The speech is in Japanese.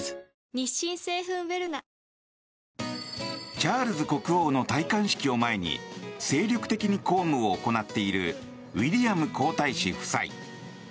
チャールズ国王の戴冠式を前に精力的に公務を行っているウィリアム皇太子夫妻。